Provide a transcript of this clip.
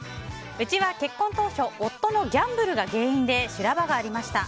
うちは結婚当初夫のギャンブルが原因で修羅場がありました。